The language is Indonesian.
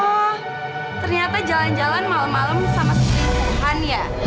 oh ternyata jalan jalan malem malem sama selingkuhan ya